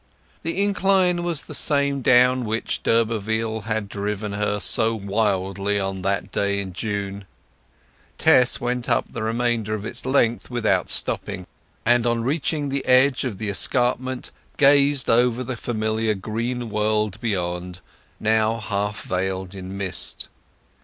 The incline was the same down which d'Urberville had driven her so wildly on that day in June. Tess went up the remainder of its length without stopping, and on reaching the edge of the escarpment gazed over the familiar green world beyond, now half veiled in mist.